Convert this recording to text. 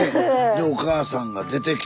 でおかあさんが出てきて。